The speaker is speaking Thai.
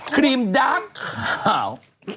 ครีมดังขาว